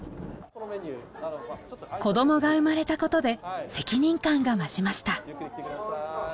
子どもが生まれたことで責任感が増しました。